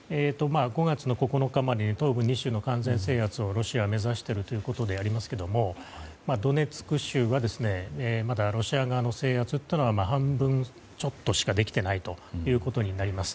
５月９日までに東部２州の完全制圧をロシアは目指しているということですがドネツク州はロシア軍の制圧というのは半分ちょっとしかできていないということになります。